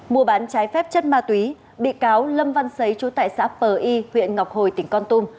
mua bán trái phép chất ma túy bị cáo lâm văn xấy trú tại xã pờ y huyện ngọc hồi tỉnh con tum